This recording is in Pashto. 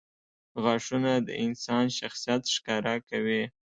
• غاښونه د انسان شخصیت ښکاره کوي.